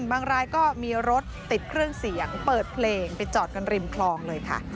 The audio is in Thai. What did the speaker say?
บางรายก็มีรถติดเครื่องเสียงเปิดเพลงไปจอดกันริมคลองเลยค่ะ